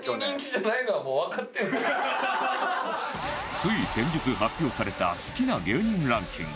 つい先日発表された好きな芸人ランキング